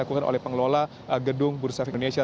dilakukan oleh pengelola gedung bursa efek indonesia